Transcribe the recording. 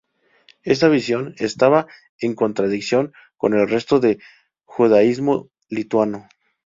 Esta visión estaba en contradicción con el resto del judaísmo lituano.